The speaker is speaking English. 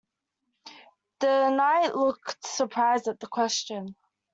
The Knight looked surprised at the question.